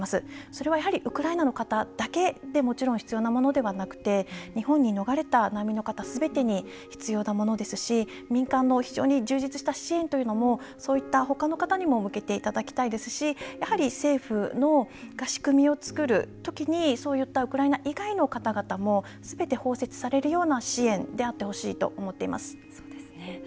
それはやはりウクライナの方だけでもちろん必要なものではなくて日本に逃れた難民の方すべてに必要なものですし民間の非常に充実した支援というのもそういった他の方にも向けていただきたいですしやはり政府が仕組みを作る時にそういったウクライナ以外の方々もすべて包摂されるような支援であってほしいと思っています。